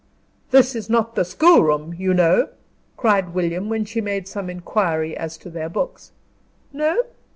"This is not the schoolroom, you know," cried William, when she made some inquiry as to their books. "No?"